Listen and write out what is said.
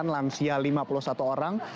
lansia lima puluh satu orang